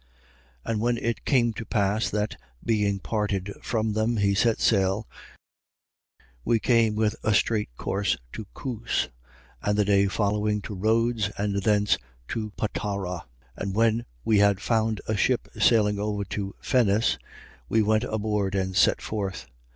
21:1. And when it came to pass that, being parted from them, we set sail, we came with a straight course to Coos, and the day following to Rhodes: and from thence to Patara. 21:2. And when we had found a ship sailing over to Phenice, we went aboard and set forth.